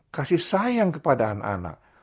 kasih sayang kepada anak anak